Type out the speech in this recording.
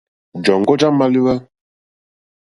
Jɔ̀ŋɡɔ́ já !málíwá.